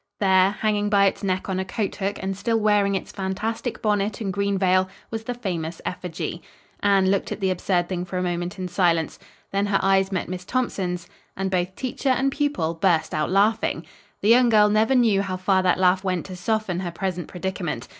"] There, hanging by its neck on a coat hook and still wearing its fantastic bonnet and green veil, was the famous effigy. Anne looked at the absurd thing for a moment in silence. Then her eyes met Miss Thompson's, and both teacher and pupil burst out laughing. The young girl never knew how far that laugh went to soften her present predicament.